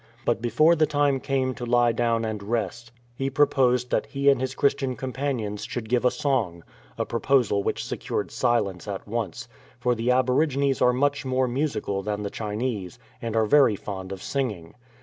But before the time came to lie down and rest, he 74 THE STORY OF CHRISTMAS proposed that he and his Christian companions should give a song, a proposal which secured silence at once, for the aborigines are much more musical than the Chinese, and are very fond of singing.